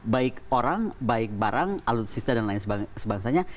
baik orang baik barang alutsista dan lain sebagainya